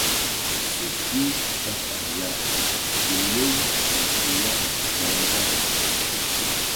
Suk bi ta fal ya kelew mi si waka dan nzaw.